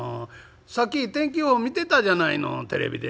さっき天気予報見てたじゃないのテレビで」。